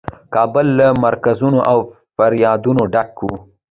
کابل له مرګونو او فریادونو ډک و.